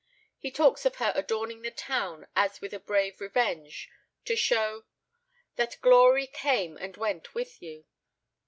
He talks of her adorning the town as with a brave revenge, to show "That glory came and went with you."